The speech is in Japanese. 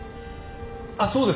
あっそうです。